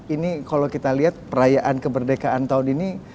ini kalau kita lihat perayaan kemerdekaan tahun ini